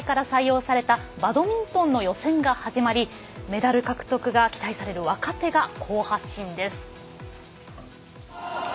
今大会から採用されたバドミントンの予選が始まりメダル獲得が期待される若手が好発進です。